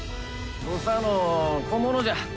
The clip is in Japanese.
土佐の小物じゃ。